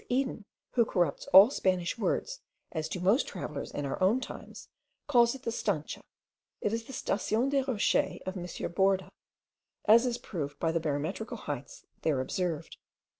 Eden, who corrupts all Spanish words, as do most travellers in our own times, calls it the Stancha: it is the Station des Rochers of M. Borda, as is proved by the barometrical heights there observed.